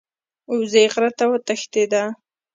وزې غره ته وتښتیده.